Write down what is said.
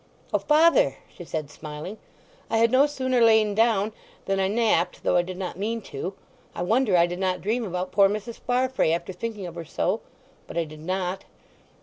"O father!" she said smiling. "I had no sooner lain down than I napped, though I did not mean to. I wonder I did not dream about poor Mrs. Farfrae, after thinking of her so; but I did not.